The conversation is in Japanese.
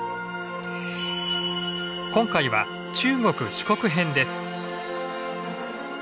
今回は中国四国編です。